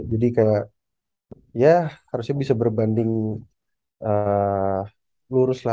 jadi kayak ya harusnya bisa berbanding lurus lah